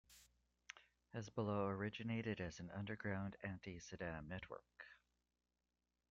Hezbollah originated as an underground anti-Saddam network.